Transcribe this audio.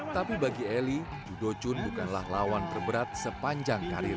tapi bagi eli judo chun bukanlah lawan terberat sepanjang karir